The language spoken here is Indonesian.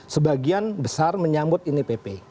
sebagian besar menyambut ini pp